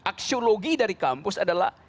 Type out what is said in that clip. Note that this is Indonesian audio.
aksiologi dari kampus adalah